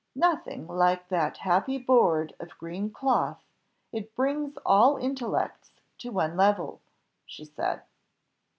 "Nothing like that happy board of green cloth; it brings all intellects to one level," she said.